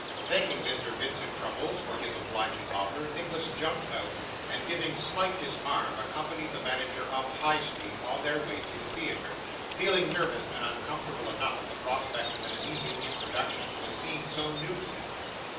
Thanking Mr. Vincent Crummles for his obliging offer, Nicholas jumped out, and, giving Smike his arm, accompanied the manager up High Street on their way to the theatre; feeling nervous and uncomfortable enough at the prospect of an immediate introduction to a scene so new to him.